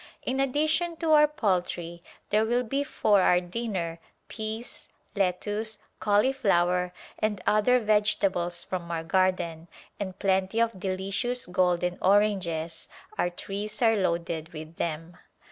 In addition to our poultry there will be for our dinner, peas, lettuce, cauliflower and other vegetables from our garden, and plenty of delicious golden oranges; our trees are loaded with them.